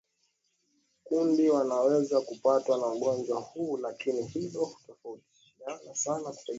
kundi wanaweza kupatwa na ugonjwa huu lakini hilo hutofautiana sana kutegemea idadi ya mbungo